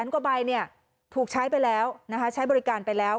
กว่าใบถูกใช้ไปแล้วใช้บริการไปแล้ว